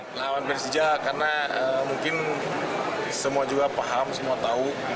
melawan persija karena mungkin semua juga paham semua tahu